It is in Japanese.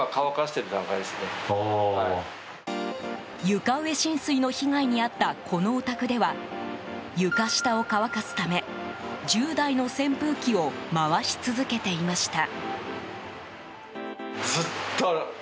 床上浸水の被害に遭ったこのお宅では、床下を乾かすため１０台の扇風機を回し続けていました。